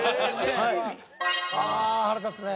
ああー腹立つね。